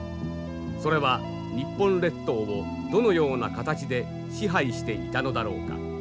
それは日本列島をどのような形で支配していたのだろうか。